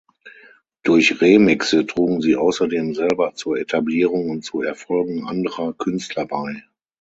Durch Remixe trugen sie außerdem selber zur Etablierung und zu Erfolgen anderer Künstler bei.